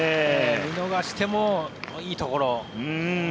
見逃してもいいところ。